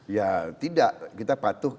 ya tidak kita patuh